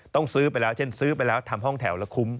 ต้องซื้อไปแล้วเช่นซื้อไปแล้วทำห้องแถวแล้วคุ้ม